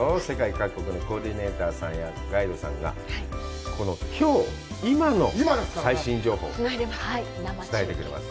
世界各国のコーディネーターさんやガイドさんが今の最新情報を。